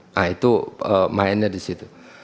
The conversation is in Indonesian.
nah itu mainnya di situ